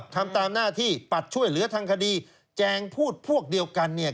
ทำตามหน้าที่ปัดช่วยเหลือทางคดีแจงพูดพวกเดียวกันเนี่ย